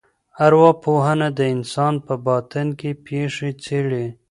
ارواپوهنه د انسان په باطن کي پېښي څېړي.